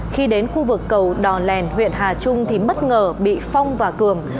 khi đến khu vực cầu đò lèn huyện hà trung thì bất ngờ bị phong và cường